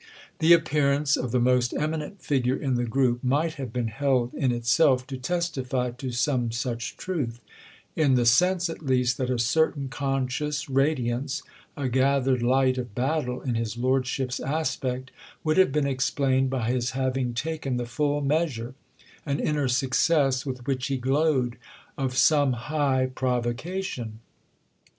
The appearance of the most eminent figure in the group might have been held in itself to testify to some such truth; in the sense at least that a certain conscious radiance, a gathered light of battle in his lordship's aspect would have been explained by his having taken the full measure—an inner success with which he glowed—of some high provocation.